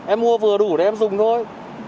em mua vừa đủ để em dùng thôi